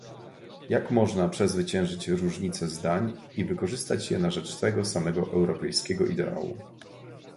Jak można przezwyciężyć różnice zdań i wykorzystać je na rzecz tego samego europejskiego ideału?